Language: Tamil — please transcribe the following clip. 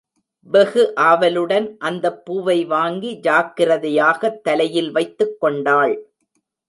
வெகு ஆவலுடன் அந்தப் பூவை வாங்கி ஜாக்கிரதையாகத் தலையில் வைத்துக்கொண்டாள்.